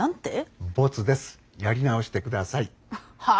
はあ？